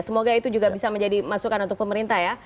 semoga itu juga bisa menjadi masukan untuk pemerintah ya